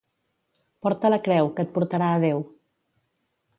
Porta la creu, que et portarà a Déu.